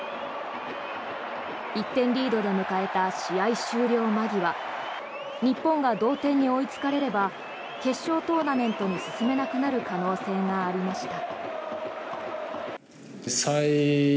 １点リードで迎えた試合終了間際日本が同点に追いつかれれば決勝トーナメントに進めなくなる可能性がありました。